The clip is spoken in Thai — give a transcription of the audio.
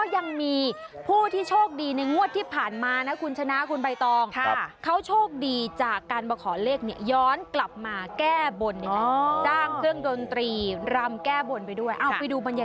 เย้บรรยากาศนะคึกคักคึกคักคึกคักมากเดี๋ยวเดี๋ยวเดี๋ยว